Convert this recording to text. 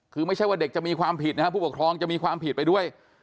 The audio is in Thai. คือไม่ใช่ว่าเด็กจะมีความผิดนะครับผู้ปกครองจะมีความผิดไปด้วย